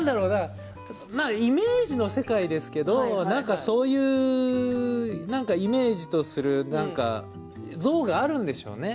イメージの世界ですけどそういうイメージとする像があるんでしょうね